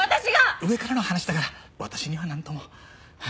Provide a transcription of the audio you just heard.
上からの話だから私にはなんとも。